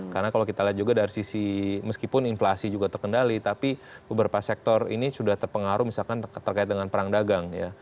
karena kalau kita lihat juga dari sisi meskipun inflasi juga terkendali tapi beberapa sektor ini sudah terpengaruh misalkan terkait dengan perang dagang ya